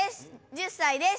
１０歳です。